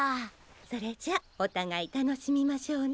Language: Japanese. それじゃあおたがいたのしみましょうね。